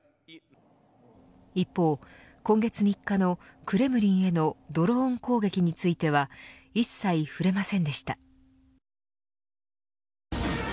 一方、今月３日のクレムリンへのドローン攻撃については一切触れませんでした。